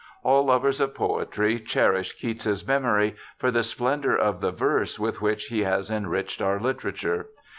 All lovers of poetry cherish Keats's memory for the splendour of the verse with which he has enriched our literature.